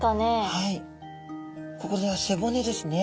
はいこれは背骨ですね。